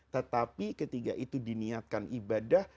tetapi ketika itu diniatkan ibadah